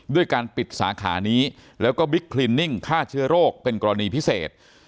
ด้วยการปิดสาขานี้แล้วก็บิ๊กคลินิ่งฆ่าเชื้อโรคเป็นกรณีพิเศษ